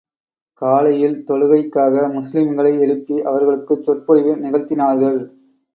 காலையில் தொழுகைக்காக முஸ்லிம்களை எழுப்பி அவர்களுக்குச் சொற்பொழிவு நிகழ்த்தினார்கள்.